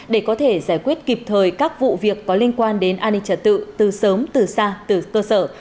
để có thể giải quyết kịp thời các vụ việc có liên quan đến an ninh trật tự từ sớm từ xa từ cơ sở